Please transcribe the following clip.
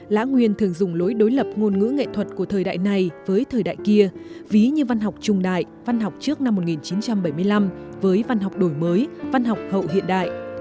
lã nguyên thường dùng lối đối lập ngôn ngữ nghệ thuật của thời đại này với thời đại kia ví như văn học trung đại văn học trước năm một nghìn chín trăm bảy mươi năm với văn học đổi mới văn học hậu hiện đại